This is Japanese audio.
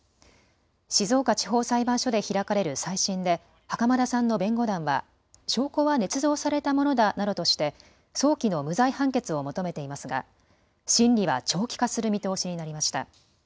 静岡地方裁判所で開かれる再審で袴田さんの弁護団は証拠は捏造されたものだなどとして早期の無罪判決を求めていますが審理は長期化する見通しになりました。